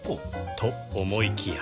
と思いきや